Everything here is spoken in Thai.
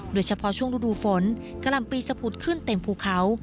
โดยเฉพาะช่วงฤดูฝนกะหล่ำปีจะผุดขึ้นเต็มภูเขา